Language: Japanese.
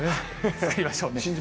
作りましょうね。